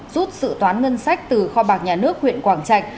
rút sự toán ngân sách từ kho bạc nhà nước huyện quảng trạch